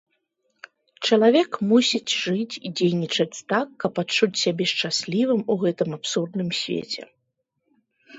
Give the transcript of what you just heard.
Чалавек мусіць жыць і дзейнічаць так, каб адчуць сябе шчаслівым у гэтым абсурдным свеце.